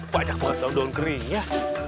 banyak banget daun keringnya